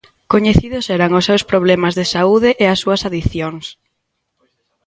Coñecidos eran os seus problemas de saúde e as súas adiccións.